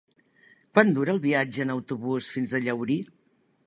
Quant dura el viatge en autobús fins a Llaurí?